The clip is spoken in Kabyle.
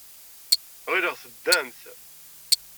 Ɣileɣ teddam.